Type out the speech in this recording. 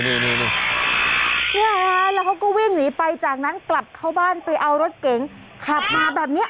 นี่ค่ะแล้วเขาก็วิ่งหนีไปจากนั้นกลับเข้าบ้านไปเอารถเก๋งขับมาแบบนี้